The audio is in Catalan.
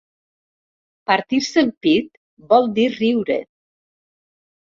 Partir-se el pit vol dir riure.